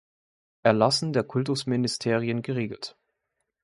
Erlassen der Kultusministerien geregelt.